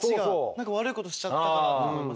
何か悪いことしちゃったかなと思いますよね。